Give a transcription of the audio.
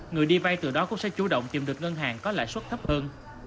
người đi vai từ đó cũng sẽ chủ động tìm được ngân hàng có lãi xuất thấp hơn